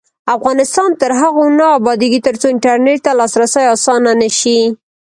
افغانستان تر هغو نه ابادیږي، ترڅو انټرنیټ ته لاسرسی اسانه نشي.